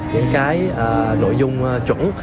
những cái nội dung chuẩn